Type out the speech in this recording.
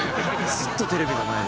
ずっとテレビの前で。